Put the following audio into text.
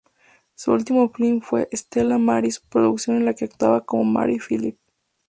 Su último film fue "Stella Maris", producción en la que actuaba con Mary Philbin.